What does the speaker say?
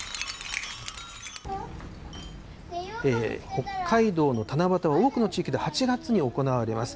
北海道の七夕は、多くの地域で８月に行われます。